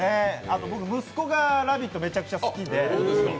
あと僕、息子が「ラヴィット！」、めちゃくちゃ好きで。